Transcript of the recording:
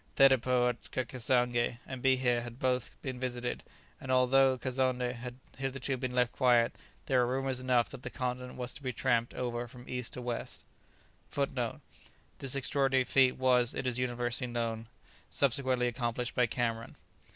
Thedépôts at Cassange and Bihe had both been visited, and although Kazonndé had hitherto been left quiet, there were rumours enough that the continent was to be tramped over from east to west. [Footnote: This extraordinary feat was, it is universally known, subsequently accomplished by Cameron.